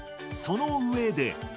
その上で。